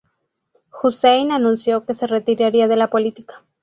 Hussein anunció que se retiraría de la política.